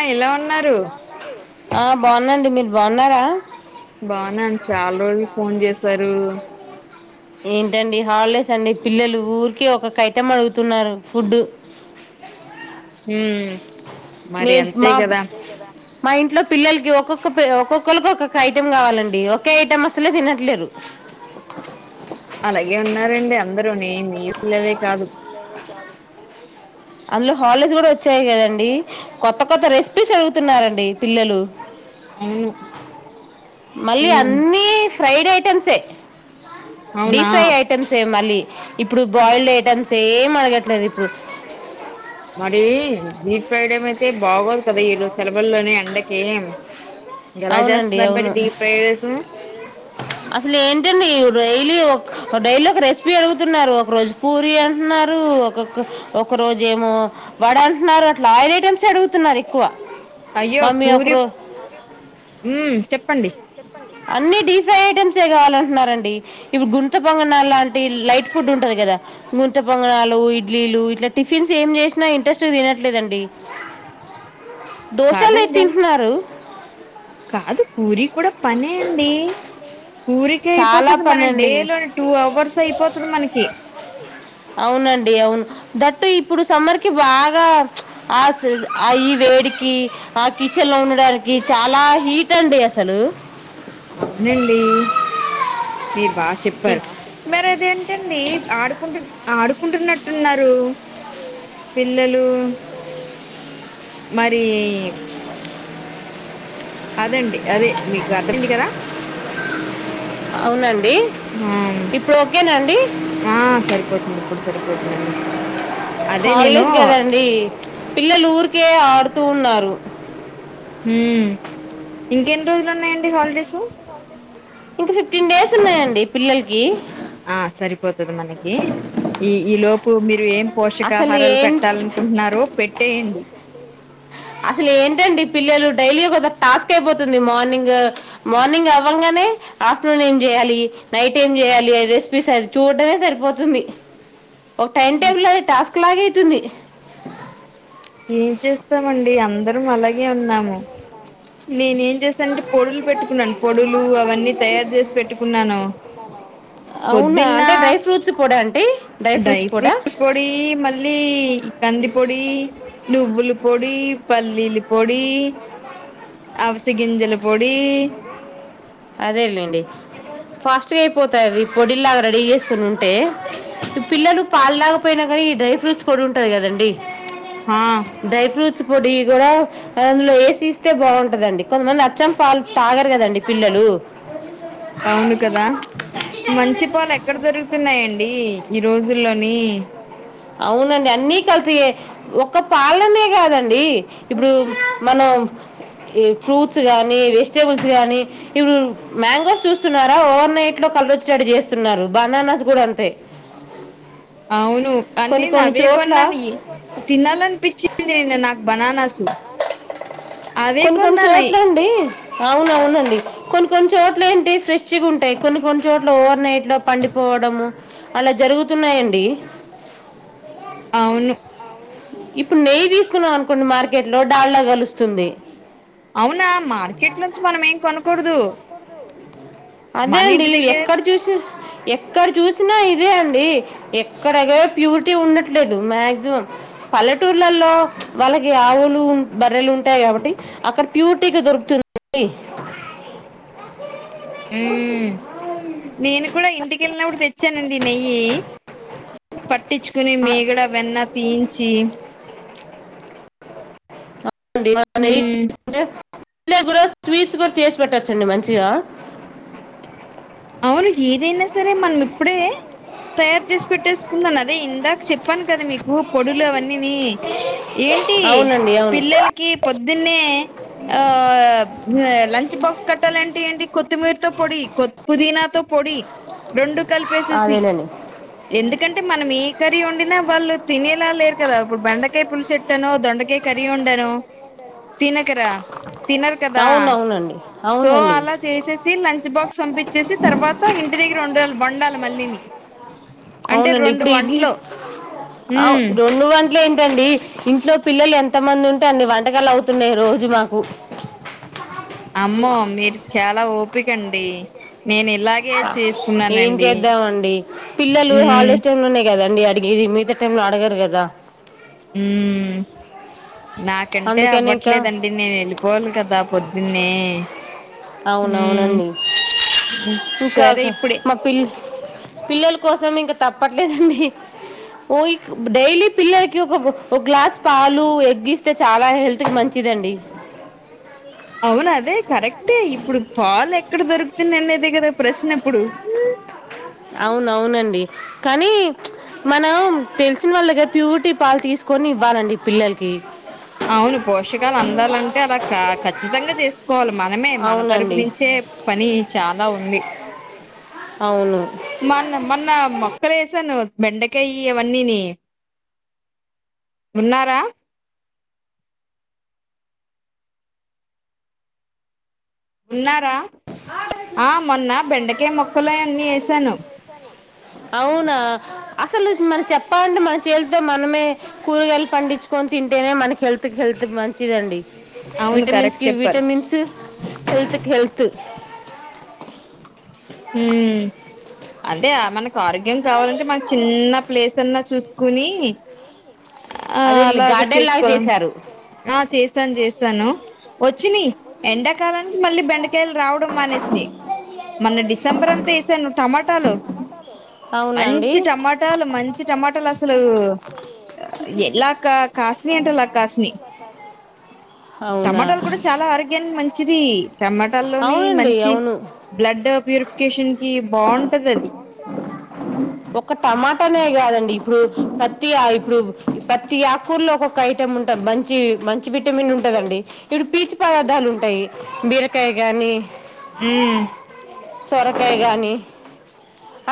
ఆ ఎలా ఆ ఉన్నారు ఎలా ఉన్నారు ఆ బాగున్నాండి మీరు బావున్నార బావున్నాను చాలా రోజులు కి ఫోన్ చేసి సరు ఏంటండి హాలిడేస్ అండి పిల్లలు ఊరికి ఒకొక్క ఐటం అడుగుతున్నారు ఫుడ్ ఉమ్ మరి నేను అంతే మా కదా మా ఇంట్లో పిల్లలకి ఒకొక్క ఒక్కొక్కళకి ఒక్కొక్క ఐటెం కావాలండి ఒకే ఐటెం అసలే తినట్లేరు అలాగే ఉన్నారండి అందరూ నీ నీ పిల్లలే కాదు అందులో హాలిడేస్ కూడా వచ్చాయి కదండి కొత్త కొత్త రెసిపీస్ అడుగుతున్నారండి పిల్లలు అవును మళ్ళీ ఉమ్ అన్నీ ఫ్రైడ్ ఐటమ్స్ఎ డీ అవునా ఫ్రై ఐటమ్సే మళ్ళీ ఇప్పుడు బాయిల్డ్ ఐటెమ్స్ ఏం అడగట్లేదు ఇప్పుడు మరీ డీఫ్రైడేమయితే ఎలా అవునండి చేస్తున్నారు మరి అవును డీప్ ఫ్రైడ్ రైస్ అసలు ఏంటండి ఈ డైలీ ఒక డైలీ ఒక రెసిపీ అడుగుతున్నారు ఒక రోజు పూరి అంటున్నారు ఒకొక్క ఒక రోజేమో వడ అంటున్నారు అట్ల ఆయిల్ ఐటెమ్సే అడుగుతున్నారు ఎక్క్ క్కువ అయ్యో పూరి ఉమ్ చెప్పండి అన్ని డీప్ ఫ్రై ఐటమ్స్ కావాలంటున్నరండి ఇప్పుడు గుంత పొంగనాల్లాంటి లైట్ ఫుడ్ ఉంటంది కదా గుంతపొంగనాలు ఇడ్లీలు ఇట్ల టిఫిన్స్ ఏం చేసినా ఇంట్రెస్ట్ గా తినట్లేదండి దోశలే కాదండి తింటున్నారు కాదు పూరి కూడా పనే అండి పూరికే చాలా అయిపోతుంది మన డే పనండి లోని టూ అవర్స్ అయిపోతుంది మనకి అవునండి అవును దట్టు ఇప్పుడు సమ్మర్ కి బాగా ఆ ఆ ఈ వేడికి ఆ కిచెన్లో ఉండడానికి చాలా హీట్ అండి అసలు అవునండీ మీరు బాగ చెప్పారు ఇ- మరి అదేంటండి ఆడు ఆడుకుంటున్నట్టున్నారు పిల్లలు మరీ అదండి అదే మీకు అర్థమయింది కదా అవునండి ఆ ఇప్పుడు ఓకేనండి ఆ సరిపోతుంది ఇప్పుడు సరిపో పొద్దునండీ హాలిడేస్ కదండి పిల్లలూరికే ఆడుతూ ఉన్నారు ఉమ్ ఇంకెన్ని రోజులు ఉన్నాయండి హాలిడేసు ఇంక ఫిఫ్టీన్ డేస్ ఉన్నాయండి పిల్లలకి ఆ సరిపోతుది మనకి ఇ ఈ లోపు మీ మీరు ఏం అసలు పోషకాహారాలు ఏం పెట్టాలనుకుంటున్నారో పెట్టేయండి అసలు ఏంటండి పిల్లలు డైలీ ఒక టాస్క్ అయిపోతుంది మార్నింగ్ మార్నింగ్ అవ్వంగానే ఆఫ్టర్నూన్ ఏం చేయాలి నైట్ ఏం చేయాలి రెసిపీస్ అవి చూడటమే సరిపోతుంది ఒక టైమ్ ఈ- టేబుల్లో టాస్క్ లాగ అయితుంది ఏం చేస్తామండి అందరం అలాగే ఉన్నాము నేను ఏం చేశానంటే పొడులు పెట్టుకున్నాను పొడులు అవన్నీ తయారు చేసి పెట్టుకున్నాను అవునా పొద్దున్న అంటే డ్రై ఫ్రూట్స్ పొడా అండ్ డీ డ్రై ఫ్రూట్స్ పొడీ మళ్ళీ కంది పొడి నువ్వుల పొడి పల్లీలి పొడి అవస గింజల పొడి అదే లేండి ఫాస్ట్ గా అయిపోతాయి అది ఈ పొడి లాగా రెడీ చేసుకుని ఉంటే పిల్లలు పాలు తాగపోయిన కానీ ఈ డ్రై ఫ్రూట్స్ పొడి ఉంటది కదండి హా పుచ్చి పొడి కూడ అందులో ఏసిస్తే బాగుంటదండి కొంతమంది అచ్చం పాలు తాగరు కదండి పిల్లలు అవును కదా మంచి పాలు ఎక్కడ దొరుకుతున్నాయండి ఈ రోజుల్లోని అవునండి అన్నీ కల్తీ ఎ ఒక్క పాలనే కాదండి ఇప్పుడు మనం ఈ ఫ్రూట్స్ గాని వెజిటేబుల్స్ గాని ఇప్పుడు మ్యాంగోస్ చూస్తున్నారా ఓవర్నైట్ లో కలరొచ్చేటట్టు చేస్తున్నారు బనానాస్ కూడ అంతె అవున్ ను అన్నీనవ్వే కొన్నాని. తినల్లనిపించింది నా నాకు బనానస్ తు కొన్ని కొన్ని చోట్ల అండి అవునవునండి కొన్ని కొన్ని చోట్ల ఏంటి ఫ్రెష్ గ ఉంటాయి కొన్ని కొన్ని చోట్ల ఓవర్ నైట్ లొ పండిపోవడము అలా జరుగుతున్నాయండి. అవును ఇప్పుడు నెయ్యి తీసుకున్నాం అనుకోండి మార్కెట్ లో డాల్డా కలుస్తుంది అవునా మార్కెట్ నుంచి మనం ఏం కొనకూడదు అదే అండి మనింటి దగ్గరె ఎక్కడ చూసి ఎక్కడ చూసినా ఇదే అండి ఎక్కడ య ప్యూరిటీ ఉండట్లేదు మాక్సిమం పల్లెటూర్లలో వాళ్ళకి ఆవులు బర్రెలు ఉంటాయి కాబట్టి అక్కడ ప్యూరిటీగా దొరుకుతుంది కదండి ఉమ్ నేను కూడ ఇంటిక్ కెళ్ళినప్పుడు తెచ్చానండి నెయ్యి పట్టిచ్చుకుని మీగడ వెన్న తీయించి అవునండి మనం నెయ్యి మ్మ్ [inaudible] పిల్లలగూడ స్వీట్స్ గూడ చేసి పెట్టొచ్చండి మంచిగ అవును ఏదైనా సరే మనం ఇప్పుడే తయారు చేసి పెట్టేసుకున్నాను అదే ఇందాక చెప్పాను కదా మీకు పొడులు అవన్ అన్నిని ఏంటి అవునండి అవును పిల్లలకి పొద్దున్నే ఆ లంచ్ బాక్స్ కట్టాలంటె ఏంటి కొత్తిమీరతో పొడి పుదీనాతొ పొడి రెండు కలిపేసేసి అదేనండి ఎందుకంటె మనం ఏ కర్రీ వండినా వాళ్ళు తినేలా లేరు కదా ఇప్పుడు బెండకాయ పులుసెట్టాను దొండకాయ కర్రీ వండాను తినకరా తినరు కదా అవును అవునండి సో అవునండి అలా చేసేసి లంచ్ బాక్స్ పంపించ్ చ్చసి తర్వాత ఇంటి దగ్గర ఉండాలి వండాలి మళ్ళీని అంటే అవునండి రెండు ఇప్పుడు ఇడ్లీ వంటలు అవ్ ఉమ్ రొండు వంట్ ఇంట్లో ఏంటండి ఇంట్లో పిల్లలు ఎంత మంది ఉంటె అన్ని వంటకాలు అవుతున్నాయి రోజు మాకు అమ్మో మీరు చాలా ఓప్ పికండి ఏం చేద్దామండి పిల్లలు ఉమ్ హాలిడేస్ టైమ్ లోనె గద అండి అడిగేది మిగతా టైంలొ అడగరు గదా హూ నాకంటే అందుకని ఇంకా అవ్వట్లేదండి నేను ఎళ్ళిపోవాలి కదా పొద్ న్నే అవునవునండి ఉమ్, ఇంకా సరే ఇప్పుడే మా పిల్ పిల్లల కోసం ఇంకా తప్పట్లేదండి ఓ డైలీ పిల్లలకి ఒక ఒక గ్లాస్ పాలు ఎగ్ ఇస్తే చాలా హెల్త్ కి మంచిదండి అవును అదే కరెక్ట్ అంతే ఇప్పుడు పాలె ఎక్కడ దొరుకుతుంది అనేదే కదా ప్రశ్న ఇప్పుడు అవును అవునండి కానీ మనం తెలిసిన వాళ్ళ దగ్గర ప్యూరిటీ పాలు తీసుకొని ఇవ్వాలండి పిల్లలకి అవును పోషకాలు అందాలంటే అలా ఖచ్చితంగా చేసుకోవాలి మనమే మన తరపు అవునండి నుంచే పని చాలా ఉంది అవును మన్న మొన్న మొక్కలు వేసాను బెండకాయ్ అవన్నీని ఉన్నారా ఉన్నారా ఆ మొన్న బెండకయ మొక్కలు అన్నీ వేసాను అవునా అసలు మన చెప్పాలంటే మన చేత్తో మనమే కూరగాయలు పండించుకొని తింటేనే మనకి హెల్త్ హెల్త్ మంచిదండి అవును విటమిన్స్ కరెక్ట్ కి చెప్పారు విటమిన్స్ హెల్త్ కి హెల్త్ ఉ అంటే మనకు ఆరోగ్యం కావాలంటే మన చిన్న ప్లేస్ అన్నా చూసుకుని ఆ అదే అలాగ గార్డెన్ లాగా చేసుకోవాలం చేశారు ఆ చేసాను చేసాను వచ్చిని ఎండా కాలం మళ్ళీ బెండకాయలు రావడం మానేసినయి మొన్న డిసెంబర్ అంతా వేసాను టమాటాలు అవునా అండి మంచి టమాటాలు మంచి టమాటాలు అసలు ఇలా కా కాసినయ్ అంటే అలా కాసినయ్ అవునా టమాటాలు కూడా చాలా ఆరోగ్యానికి మంచిది టమాటాల్లోని అవునండి మంచి అవును బ్లడ్ ప్యూరిఫై కేషన్ కి బాగుంటది అది ఒక టమాటానే కాదండి ఇప్పుడు ప్రతి ఇప్పుడు ప్రతి ఆకూర్లో ఒక్కొక్క ఐటెం ఉంటా మంచి మంచి విటమిన్ ఉంటదండి ఇప్పుడు పీచు పదార్ధాలు ఉంటాయి బీరకాయ కాగాని మ్ సొరకాయ కానీ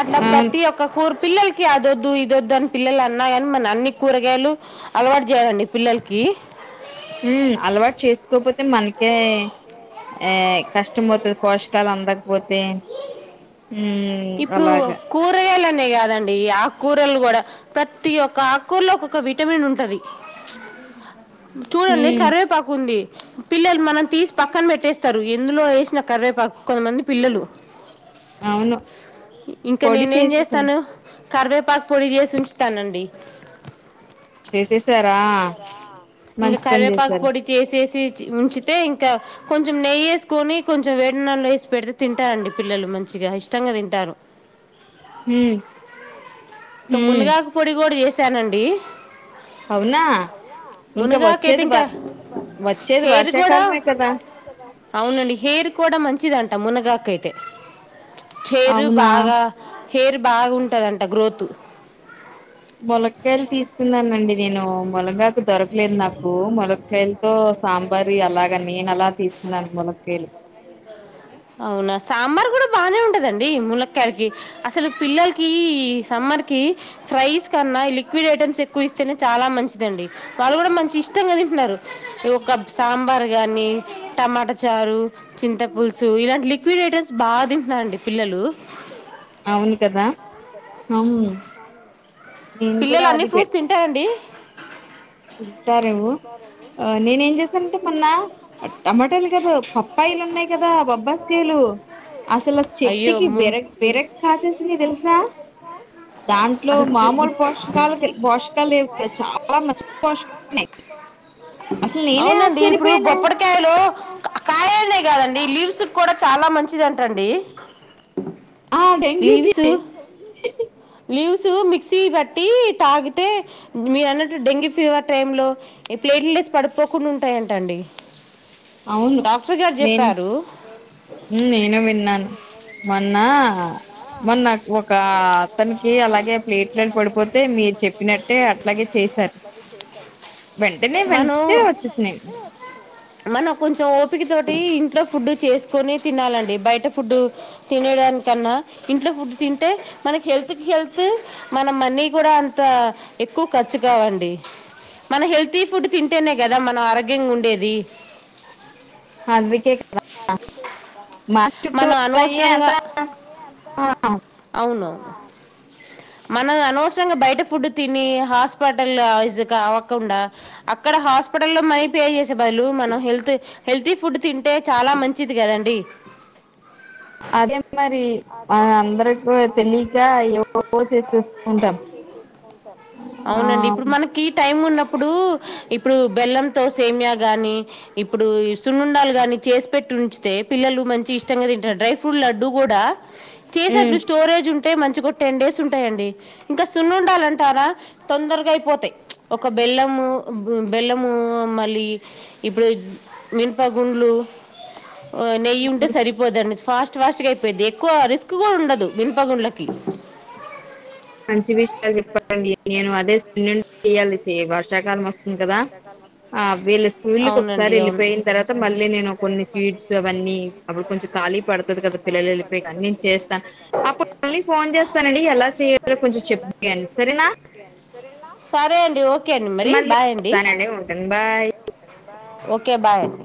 అట్లా అవును ప్రతి ఒక్క కూర్ పిల్లలకి అద అద్దు ఇద అద్దు అని పిల్లలు అన్నారని మన అన్ని కూరగాయలు అలవాటు చేయాలండి పిల్లలకి ఉ అలవాటు చేసుకోపోతే మనకే ఆ కష్టం అవుతుంది పోషకాలు అందకపోతే ఉమ్ ఇప్పుడు అలాగా కూరగాయలం కాదండి ఆకుకూరలు కూడా ప్రతి ఒక్క ఆకుకూరలో ఒకొక్క విటమిన్ ఉంటది చూడండి ఉమ్ కరివేపాకు ఉంది పిల్లలు మనం తీసి పక్కన పెట్టేస్తారు ఎందులో వేసిన కరివేపాకు కొంతమంది పిల్లలు అవును ఇంకా పొడి నేనే ఏం చేసేసాను చేస్తాను కర్వేపాక్ పొడిజేస్ ఉంచుతానండి చేసేసారా ఇంక మంచి పని కరివేపాకు చేసారు పొడి చేసేసి ఉంచితే ఇంకా కొంచెం నెయ్యేసుకొని కొంచెం వడినాలు వేసి పెడితే తింటారండి పిల్లలు మంచిగా ఇష్ట ష్టంగా తింటారు హ్మ్ ఇంత హ్మ్ మునుగాకు పొడి కూడ చేసి చేశానండి అవునా ఇంకా మునగాకైతే వచ్చేది ఇంకా వర్ వచ్చేది హెయిర్ కూడా వర్షాకాలమే కదా అవునండి హెయిర్ కూడా మంచిదంట మునగాకైతే చేరు అవునా బాగా హెయిర్ బాగుంటుదంట గ్రోత్ ములక్కాయలు తీసుకున్నానండి నేను ములంగాకు దొరకలేదు నాకు ములకాయలతో సా మరి అలాగ నేను అలా తీసుకున్నాను మొల కేలి అవునా సాంబార్ కూడా బాగనే ఉంటదండి. ములక్కయాలకి అసలు పిల్లలకి, సమ్మర్ కి, ఫ్రైస్ కన్నా లిక్విడ్ ఐటమ్స్ ఎక్కువ ఇస్తేనే చాలా మంచిదండి. వాళ్ళు కూడా మంచి ఇష్టంగా తింటున్నారు. ఒక సాంబార్ గానీ, టమాటా చారు, చింతపులుసు. స ఇలాంటి లిక్విడ్ ఐటమ్స్ బాగా తింటున్నారు అండి పిల్లలు. అవును కదా అవు పిల్లలు అన్ని ఫ్రూట్స్ తింటాయండి ఇంటారేవ్ ఆ నేను చేస్తా ఇంటి పన్నా టమాటాలు కదా పప్పాయిలు ఉన్నాయి కదా. బబ్బాస్కాయలు అసలు అయ్యో చెట్కి ము బిరక్ బిరక్ కాసేసినయి తెలుసా. దాంట్లో అసలు చు మామూలు పోషకాలు పోషకాలువి చాలా మంచ్ పోష్ నే అవునండి ఇప్పుడు బొప్పడికాయలు కాయనే కాదండి లీవ్స్ కూడా చాలా మంచిది అంట అండి ఆ డెంగ్యూకి లీవ్స్ మిక్సీ బట్టి తాగితే మీరు అన్నట్టు డెంగ్యూ ఫీవర్ టైం లో ప్లేట్స్ పడుపోకుండా ఉంటాయంట అండి అవును నేను ఉమ్ నేను విన్నాను మొన్న మొన్న ఒక అతనికి అలాగే ప్లేట్లు పడిపోతే మీరు చెప్పినట్టే అట్లాగే చేశారు వెంటనే మను వెంటనే వచ్చేసినాయి మన కొంచెం ఓపిక తోటి ఇంట్లో ఫుడ్ చేసుకొని తినాలండి. బయట ఫుడ్ తినడానికన్నా ఇంట్లో ఫుడ్ తింటే మనకి హెల్త్కి హెల్త్ మన మనీ కూడా అంత ఎక్కువ ఖర్చు కావండి. మన హెల్తీ ఫుడ్ తింటేనే కదా మనం ఆరోగ్యంగా ఉండేది. అందుకే అందుకే కదా మా మన చుట్టూ లయ్యే అంత ఆ అవును మనం అనవసరంగా బయట ఫుడ్ తిని హాస్పట లైజ్ అవ్వకుండ, అక్కడ హాస్పిటల్లో మనీ పే చేసే బదులు, మనం హెల్త్ హెల్తీ ఫుడ్ తింటే చాలా మంచిది కదండి. అదే మరి అందరికు తెలీక ఎ పో చేసేస్తూ ఉంటాం ఆ అవునండి. ఇప్పుడు మనకి టైం ఉన్నప్పుడు ఇప్పుడు బెల్లంతో సేమ్యా కానీ ఇప్పుడు సున్నుండాలు కానీ చేసి పెట్టి ఉంచితే పిల్లలు మంచి ఇష్టంగా తింటారు డ్రై ఫ్రూట్ లడ్డుూ కూడా ఉమ్ చేసేట్లు స్టోరేజ్ ఉంటు మంచుకు టెన్ డేస్ ఉంటాయండి ఇంకా సున్ను ఉండాలంటారా తొందరగా అయిపోతాయి ఒక బెల్లము బెల్లము మళ్ళీ ఇప్పుడు మినుప గుండ్లు నెయ్య ఉంటే సరిపోదు అను ఫాస్ట్ ఫాస్ట్గా అయిపోది ఎక్కువ రిస్క్ కూడా ఉండదు మినుప గుండ్లకి మంచి విషయాలు చెప్పాలండి నేను అదే చెయాలి వర్షాకాలం వస్తుంది కదా ఆ వీళ్ళ స్కూల్కి ఒకసారి అవునండి అవును వెళ్ళిపోయిన ఇంటికి తర్వాత ఒకసారి మళ్ళీ వెళ్ళిపోయిన నేను తర్వాత కొన్ని మళ్ళీ స్వీట్స్ నేను కొన్ని అవన్నీ అప్పుడు తీసుకుని కొంచెం ఖాళీ అది పడుతుంది కొంచెం కదా పిల్లలు ఖాళీ వెళ్ళిపోయి పడుతుంది కదా అన్ని పిల్లలు చేస్తాను వెళ్ళిపోయాక అప్పుడు మ చేస్తాను ఫోన్ చేస్తానండి ఎలా చేయాలి అ కొంచెం చెప్పయండి సరేనా సరే అండి ఓకే అండి మరి మళ్ళీ బాయ్ అండి చస్తానండి ఉంటాను బాయ్ ఓకే బాయ్ అండి